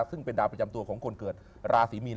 ซึ่งเป็นดาวประจำตัวของคนเกิดราศีมีน